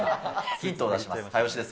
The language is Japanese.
ヒントを出します。